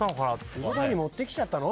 風呂場に持ってきちゃったの？